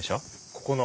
ここの。